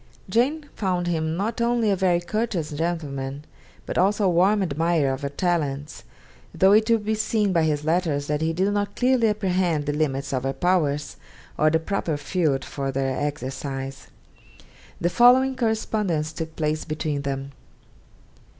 Jane found in him not only a very courteous gentleman, but also a warm admirer of her talents; though it will be seen by his letters that he did not clearly apprehend the limits of her powers, or the proper field for their exercise. The following correspondence took place between them.